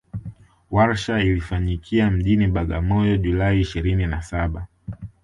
Warsha ilifanyikia mjini Bagamoyo July ishirini na Saba